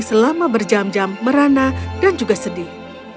selama berjam jam merana dan juga sedih